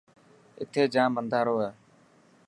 اٿي جام انڌارو هي.